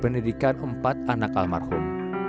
penyedikan empat anak almarhum